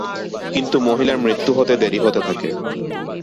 কিন্তু মহিলার মৃত্যু হতে দেরি হতে থাকে।